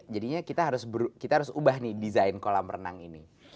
jadinya kita harus berubah nih design kolam renang ini